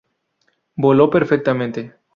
Voló perfectamente.